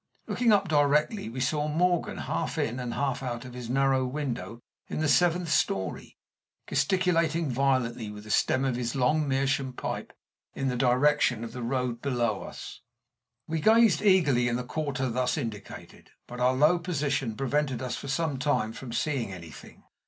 Looking up directly, we saw Morgan half in and half out of his narrow window in the seventh story, gesticulating violently with the stem of his long meerschaum pipe in the direction of the road below us. We gazed eagerly in the quarter thus indicated, but our low position prevented us for some time from seeing anything.